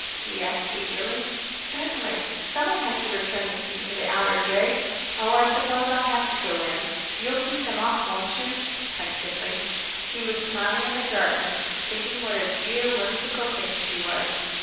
he asked eagerly. "Certainly. Someone has to return the key to the outer gate. Oh, I suppose I'll have to go in. You'll keep them off, won't you?" plaintively. He was smiling in the darkness, thinking what a dear, whimsical thing she was.